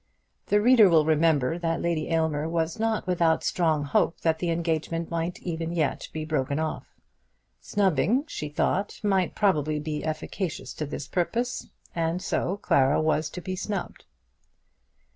The reader will remember that Lady Aylmer was not without strong hope that the engagement might even yet be broken off. Snubbing, she thought, might probably be efficacious to this purpose, and so Clara was to be snubbed.